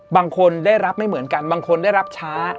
บางคนได้รับไม่เหมือนกันบางคนได้รับช้า